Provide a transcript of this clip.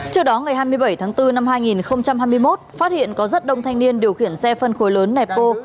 trước đó ngày hai mươi bảy tháng bốn năm hai nghìn hai mươi một phát hiện có rất đông thanh niên điều khiển xe phân khối lớn nẹt bô